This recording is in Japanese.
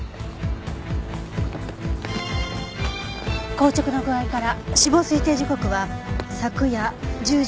硬直の具合から死亡推定時刻は昨夜１０時から０時の間。